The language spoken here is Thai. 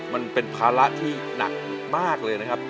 มันเป็นภาระที่หนักมากเลยนะครับ